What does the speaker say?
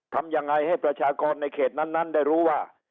ทำยังไงให้ประชากรในเขตนั้นได้รู้ว่า